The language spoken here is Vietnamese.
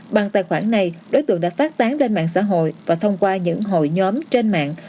bằng tài khoản này đối tượng đã phát tán lên mạng xã hội và thông qua những hội nhóm trên mạng